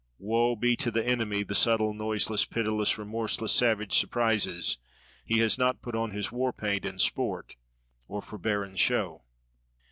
Woe be to the enemy the subtle, noiseless, pitiless, remorseless savage surprises; he has not put on his war paint in sport or for barren show.